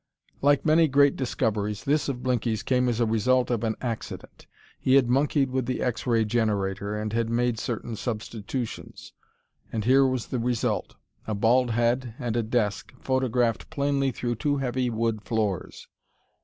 Like many great discoveries, this of Blinky's came as the result of an accident. He had monkeyed with the X Ray generator and had made certain substitutions. And here was the result a bald head and a desk, photographed plainly through two heavy wood floors.